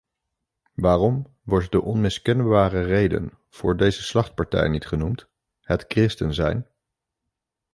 Waarom wordt de onmiskenbare reden voor deze slachtpartij niet genoemd: het christen zijn?